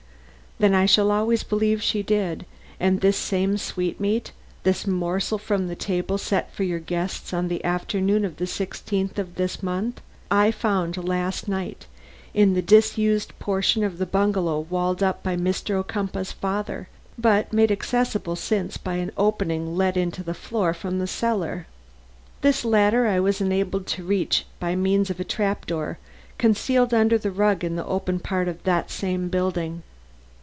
"Then I shall always believe she did, and this same sweetmeat, this morsel from the table set for your guests on the afternoon of the sixteenth of this month, I found last night in the disused portion of the bungalow walled up by Mr. Ocumpaugh's father, but made accessible since by an opening let into the floor from the cellar. This latter I was enabled to reach by means of a trap door concealed under the rug in the open part of this same building."